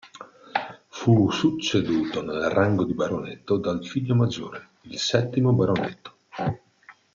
Fu succeduto nel rango di baronetto dal figlio maggiore, il settimo baronetto.